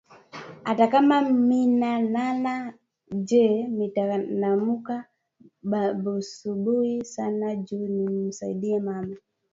Ata kama mina lala jee mitalamuka busubuyi sana nju nimu saidiye mama